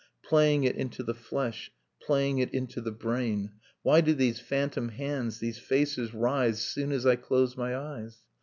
Playing it into the flesh, playing it into the brain. .. Why do these phantom hands, these faces, rise Soon as I close my eyes?